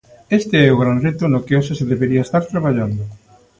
Este é o gran reto no que hoxe se debería estar traballando.